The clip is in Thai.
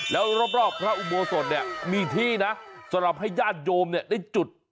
แล้วรอบพระอุโบสถเนี่ยมีที่นะสำหรับให้ญาติโยมได้จุด